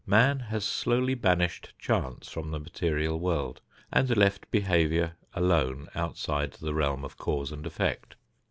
Man has slowly banished chance from the material world and left behavior alone outside the realm of cause and effect.